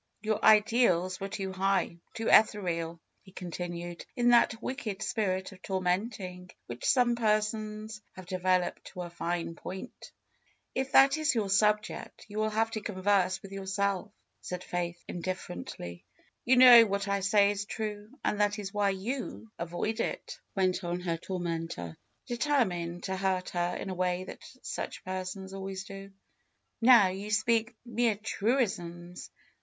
^^Your ideals were too high, too ethereal," he con tinued, in that wicked spirit of tormenting which some persons have developed to a fine point. ^Tf that is your topic, you will have to converse with yourself," said Faith, indifferently. "You know what I say is true, and that is why you FAITH 261 avoid it," went on her tormentor, determined to hurt her in a way that such persons always do. ^^Now you speak mere truisms.